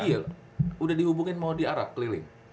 iya udah dihubungin mau diarak keliling